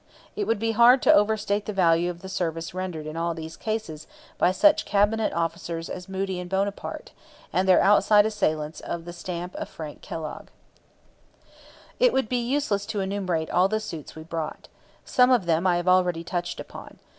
It would be hard to overstate the value of the service rendered in all these cases by such cabinet officers as Moody and Bonaparte, and their outside assistants of the stamp of Frank Kellogg. It would be useless to enumerate all the suits we brought. Some of them I have already touched upon.